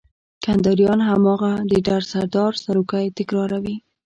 کنداريان هماغه د ډر سردار سروکی تکراروي.